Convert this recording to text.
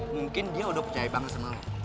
mungkin dia udah percaya banget sama